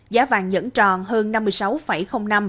giá vàng nhẫn tròn hơn năm mươi sáu năm